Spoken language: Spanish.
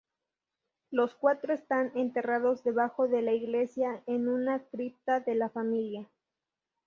Los cuatro están enterrados debajo de la iglesia en una cripta de la familia.